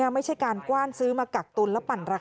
ไม่ใช่การกว้านซื้อมากักตุลและปั่นราคา